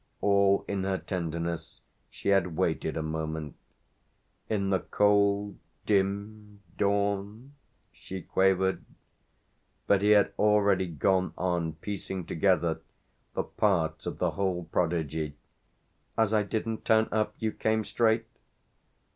All in her tenderness she had waited a moment. "In the cold dim dawn?" she quavered. But he had already gone on piecing together the parts of the whole prodigy. "As I didn't turn up you came straight